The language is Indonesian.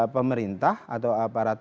pemerintah atau aparat